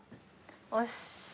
よし。